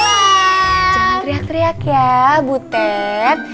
jangan teriak teriak ya butet